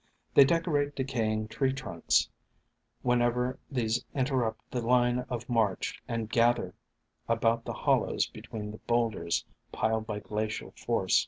They decorate decaying tree trunks, when ig6 THE FANTASIES OF FERNS ever these interrupt the line of march, and gather about the hollows between the boulders piled by glacial force.